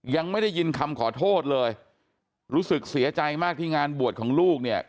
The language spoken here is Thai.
ยังไม่ได้ยินคำขอโทษเลยรู้สึกเสียใจมากที่งานบวชของลูกเนี่ย